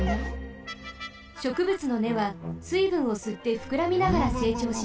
しょくぶつのねはすいぶんをすってふくらみながらせいちょうします。